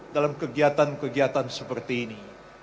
dalam kegiatan kegiatan seperti ini